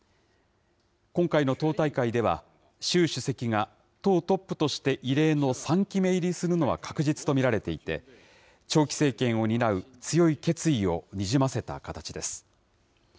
今回の党大会では、習主席が党トップとして異例の３期目入りするのは確実と見られていて、長期政権を担う強い決意をにじませた形です。